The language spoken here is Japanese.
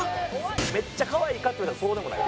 めっちゃ可愛いかっていわれたらそうでもない。